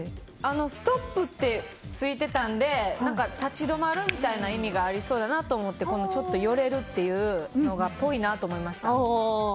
ストップってついてたので立ち止まるみたいな意味がありそうだなと思ってちょっと寄れるっていうのがそれっぽいなと思いました。